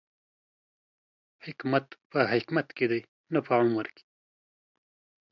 حکمت په حکمت کې دی، نه په عمر کې